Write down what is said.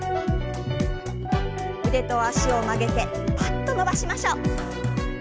腕と脚を曲げてパッと伸ばしましょう。